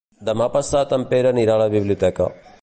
Demà passat en Pere anirà a la biblioteca.